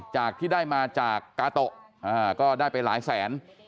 จากที่ได้มาจากกาโตะก็ได้ไปหลายแสน